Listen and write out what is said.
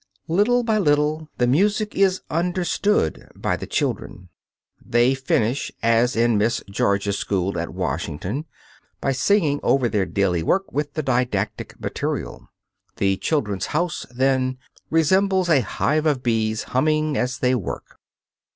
Little by little the music is understood by the children. They finish, as in Miss George's school at Washington, by singing over their daily work with the didactic material. The "Children's House," then, resembles a hive of bees humming as they work.